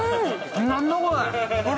何だこれ。